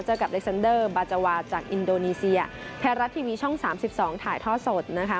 เจอกับเล็กซันเดอร์บาจาวาจากอินโดนีเซียไทยรัฐทีวีช่อง๓๒ถ่ายท่อสดนะคะ